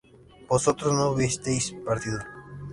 vosotros no hubisteis partido